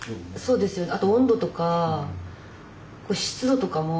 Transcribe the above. あと温度とか湿度とかも。